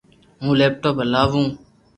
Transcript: ھون ليپ ٽاپ ھلاو